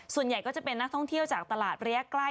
ส่วนใหญ่ก็จะเป็นนักท่องเที่ยวจากตลาดระยะใกล้